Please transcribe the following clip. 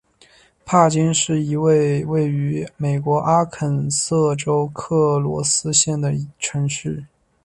帕金是一个位于美国阿肯色州克罗斯县的城市。